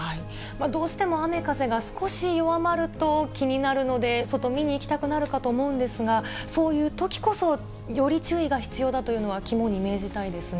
どうしても雨風が少し弱まると、気になるので外、見に行きたくなると思うんですが、そういうときこそ、より注意が必要だというのは肝に銘じたいですね。